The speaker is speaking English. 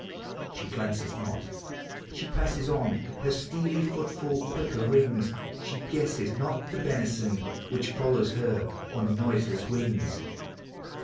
She glances not ; she passes on ; Her steely footfall quicker rings; She guesses not the benison Which follows her on noiseless wings.